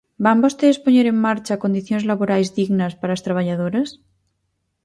¿Van vostedes poñer en marcha condicións laborais dignas para as traballadoras?